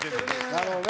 なるほどね。